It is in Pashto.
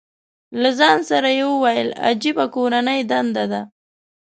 له ځان سره یې وویل، عجیبه کورنۍ دنده ده.